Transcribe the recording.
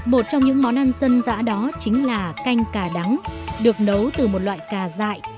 một trong những món ăn dân dã đó chính là canh cà đắng được nấu từ một loại cà dại